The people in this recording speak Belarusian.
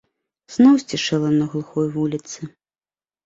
Зноў сцішэла на глухой вуліцы.